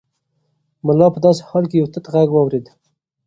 ملا په داسې حال کې یو تت غږ واورېد.